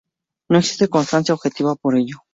No existe constancia objetiva de ello.